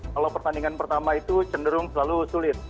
kalau pertandingan pertama itu cenderung selalu sulit